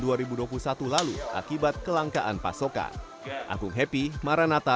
mencapai empat puluh rupiah pada agustus tahun dua ribu dua puluh satu lalu akibat kelangkaan pasokan agung happy maranatha dan jepang